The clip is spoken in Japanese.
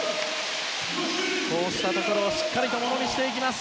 こうしたところをしっかりものにしていきます。